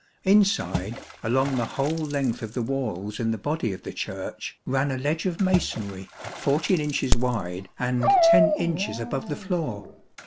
Inside, along the whole length of the walls in the body of the Church, ran a ledge of masonry, 14 inches wide and 10 inches above the floor.